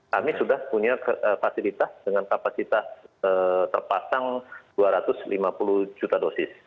kami sudah punya fasilitas dengan kapasitas terpasang dua ratus lima puluh juta dosis